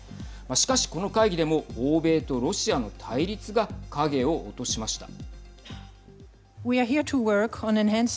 しかし、この会議でも欧米とロシアの対立が影を落としました。